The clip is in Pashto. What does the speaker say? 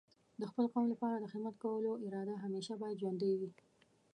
د خپل قوم لپاره د خدمت کولو اراده همیشه باید ژوندۍ وي.